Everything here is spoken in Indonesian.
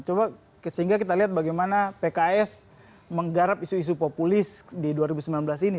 coba sehingga kita lihat bagaimana pks menggarap isu isu populis di dua ribu sembilan belas ini